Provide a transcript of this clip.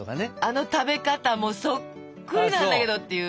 あの食べ方もそっくりなんだけどっていう。